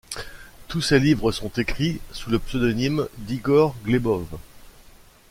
Tous ces livres sont écrits sous le pseudonyme d'Igor Glebov.